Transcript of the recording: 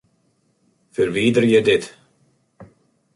Ferwiderje dit.